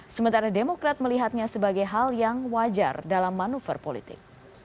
sementara demokrat melihatnya sebagai hal yang wajar dalam manuver politik